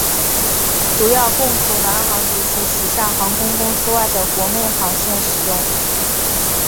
主要供除南航及其旗下航空公司外的国内航线使用。